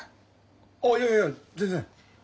ああいやいや全然！